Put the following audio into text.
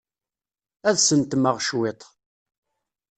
Ad sentmeɣ cwiṭ.